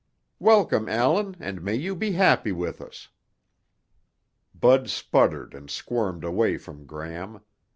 "Welcome, Allan, and may you be happy with us!" Bud sputtered and squirmed away from Gram.